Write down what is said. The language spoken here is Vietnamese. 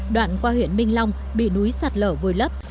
đoạn qua huyện minh long bị núi sạt lở vùi lấp